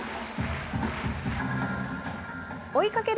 追いかける